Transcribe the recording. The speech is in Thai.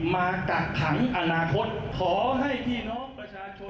กักขังอนาคตขอให้พี่น้องประชาชน